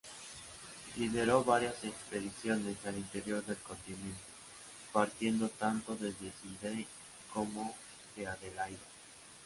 Lideró varias expediciones al interior del continente, partiendo tanto desde Sídney como de Adelaida.